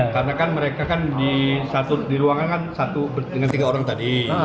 karena kan mereka kan di ruangan kan satu dengan tiga orang tadi